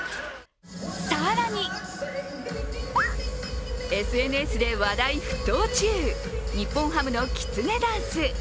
更にＳＮＳで話題沸騰中、日本ハムのきつねダンス。